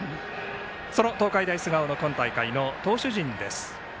その東海大菅生の今大会の投手陣です。